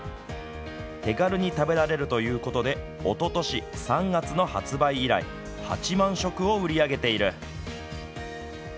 手軽に食べられるということでおととし３月の発売以来８万食を売り上げている。